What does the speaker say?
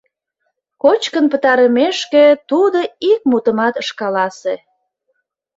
Кочкын пытарымешке тудо ик мутымат ыш каласе.